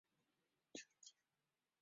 早年毕业于国立浙江大学。